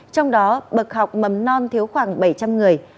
trong đó bậc học mầm non thiếu khoảng bảy trăm linh người